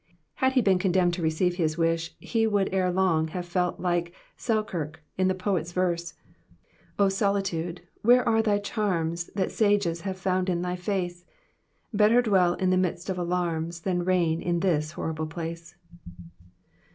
Had he been condemned to receive his wish he would ere long have felt like Selkirk, in the poet's verse —" O solitude, where are the charms That satces have found in thy face ? Better dwell in the midst of alarms Than rcij^n in this horrible place."